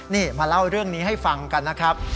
นี่มาเล่าเรื่องนี้ให้ฟังกันนะครับ